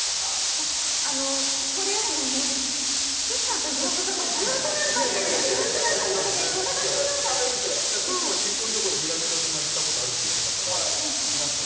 いやあのそれよりももうね岸さんと平子さんがずっとなんかねずっと何か言ってそれが気になっちゃっていや岸が新婚旅行で南の島行ったことあるって言ってたから行きました